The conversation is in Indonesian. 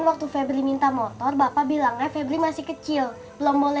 macam itu bapak nakal